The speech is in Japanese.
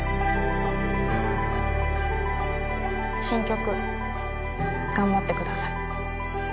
新曲頑張ってください